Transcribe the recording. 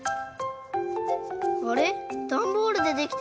あれ？